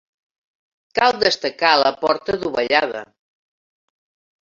Cal destacar la porta dovellada.